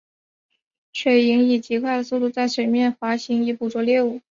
水黾以极快的速度在水面上滑行以捕捉猎物。